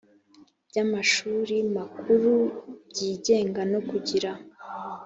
by amashuri makuru byigenga no kugira